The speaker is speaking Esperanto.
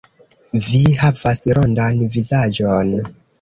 Vi havas rondan vizaĝon.